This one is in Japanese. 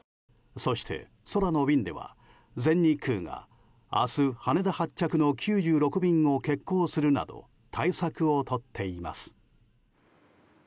そして、空の便では全日空が明日、羽田発着の９６便を欠航するなど対策をとっています。